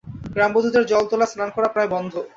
গ্রামবধূদের জল তোলা, স্নান করা প্রায় বন্ধ।